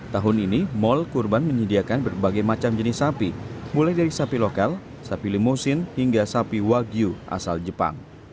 tahun ini mal kurban menyediakan berbagai macam jenis sapi mulai dari sapi lokal sapi limusin hingga sapi wagyu asal jepang